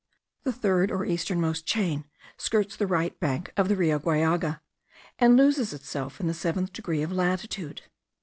The third, or easternmost chain, skirts the right bank of the Rio Guallaga, and loses itself in the seventh degree of latitude.